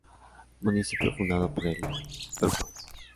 Municipio fundado por el Pbro.